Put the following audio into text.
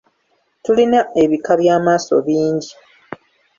Tulina ebika by’amaaso bingi.